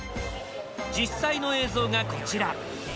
実際の映像がこちら。